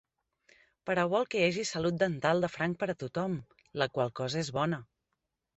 Però vol que hi hagi salut dental de franc per a tothom, la qual cosa és bona.